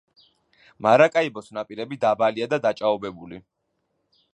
მარაკაიბოს ნაპირები დაბალია და დაჭაობებული.